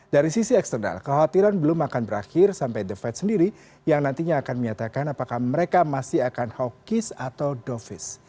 dari sisi eksternal kekhawatiran belum akan berakhir sampai the fed sendiri yang nantinya akan menyatakan apakah mereka masih akan hawkish atau dovis